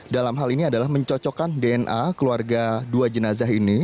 dalam hal ini adalah mencocokkan dna keluarga dua jenazah ini